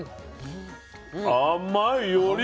甘いより。